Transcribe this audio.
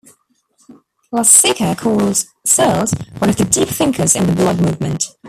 Lasica calls Searls one of the deep thinkers in the blog movement.